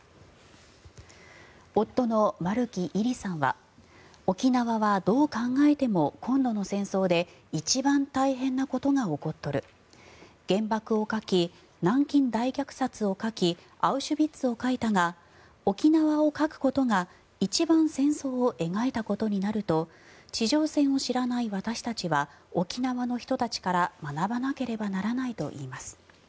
夫の丸木位里さんは沖縄はどう考えても今度の戦争で一番大変なことが起こっとる原爆を描き、南京大虐殺を描きアウシュビッツを描いたが沖縄を描くことが一番戦争を描いたことになると地上戦を知らない私たちは沖縄の人たちから学ばなければいけないといいます。